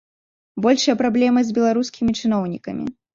Большая праблема з беларускімі чыноўнікамі.